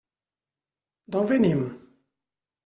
D'on venim?